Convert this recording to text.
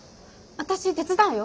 私手伝うよ？